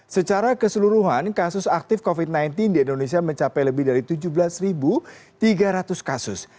secara keseluruhan kasus aktif covid sembilan belas di indonesia mencapai lebih dari tujuh belas tiga ratus kasus